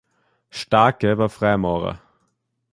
Starcke war Freimaurer.